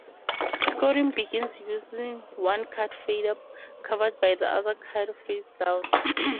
Scoring begins using one card face up, covered by the other card face down.